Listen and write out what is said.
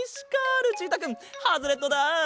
ルチータくんハズレットだ。